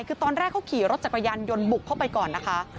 คือตอนแรกเขาขี่รถจักรยานยนต์บุกเข้าไปก่อนนะคะ